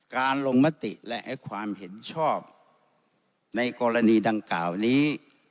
การลงมติและให้ความเห็นชอบในกรณีดังกล่าวนี้